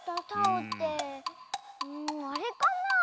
あれかなあ？